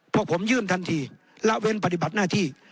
พวกผมยื่นทันทีละเว้นปฏิบัติหน้าที่